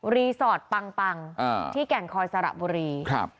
รีสอร์ทปังปังที่แก่งคอยสระบุรีครับ